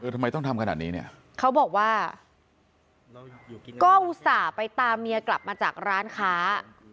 ทำไมต้องทำขนาดนี้เนี่ยเขาบอกว่าก็อุตส่าห์ไปตามเมียกลับมาจากร้านค้า